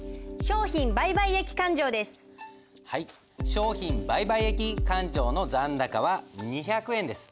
商品売買益勘定の残高は２００円です。